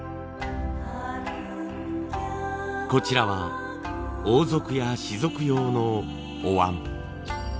こちらは王族や士族用のおわん。